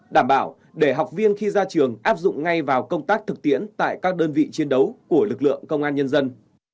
đảm bảo để học viên khi ra trường áp dụng ngay vào công tác thực tiễn tại các đơn vị chiến đấu của lực lượng công an nhân dân